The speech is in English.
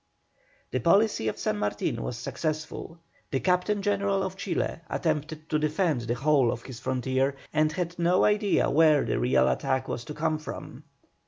The policy of San Martin was successful; the Captain General of Chile attempted to defend the whole of his frontier and had no idea where the real attack was to come from.